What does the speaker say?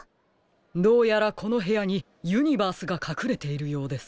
どうやらこのへやにユニバースがかくれているようです。